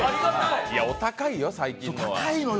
お高いよ、最近のは。